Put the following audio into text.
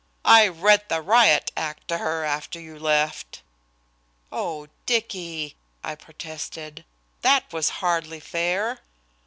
I read the riot act to her after you left." "Oh! Dicky!" I protested, "that was hardly fair?"